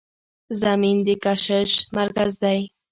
زمین د کشش مرکز دی.